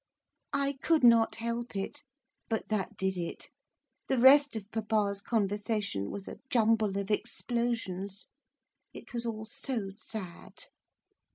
I could not help it, but that did it. The rest of papa's conversation was a jumble of explosions. It was all so sad.